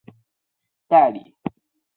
台湾中文版几乎由东立出版社进行代理。